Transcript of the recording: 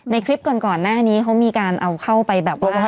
ในคลิปก่อนแบบนี้เค้ามีการเอาเข้าไปแบบระบวน